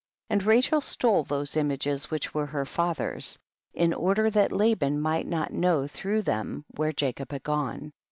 44. And Rachel stole those im ages which were her father's, in THE BOOK OF JASHER. 89 order that Laban might not know through tiiem where Jacob had gone.